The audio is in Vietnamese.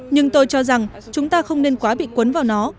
nhưng tôi cho rằng chúng ta không nên quá bị quấn vào nó